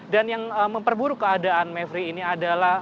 dan yang memperburuk keadaan mavri ini adalah